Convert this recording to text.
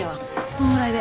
こんぐらいで。